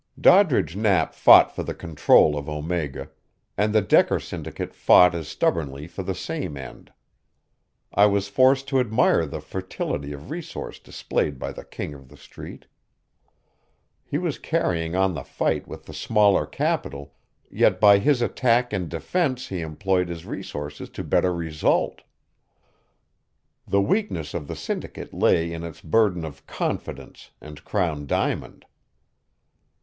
Doddridge Knapp fought for the control of Omega, and the Decker syndicate fought as stubbornly for the same end. I was forced to admire the fertility of resource displayed by the King of the Street. He was carrying on the fight with the smaller capital, yet by his attack and defense he employed his resources to better result. The weakness of the syndicate lay in its burden of Confidence and Crown Diamond.